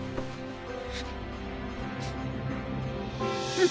あっ！